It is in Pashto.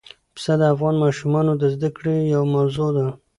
پسه د افغان ماشومانو د زده کړې یوه موضوع ده.